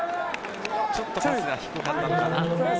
ちょっとパスが低かったのかな。